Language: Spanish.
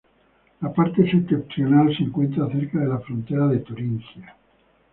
La parte septentrional se encuentra cerca de la frontera de Turingia.